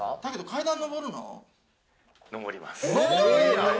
上ります。